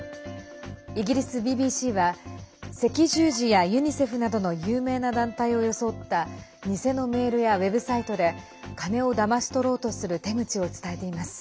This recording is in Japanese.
イギリスＢＢＣは赤十字やユニセフなどの有名な団体を装った偽のメールやウェブサイトで金をだまし取ろうとする手口を伝えています。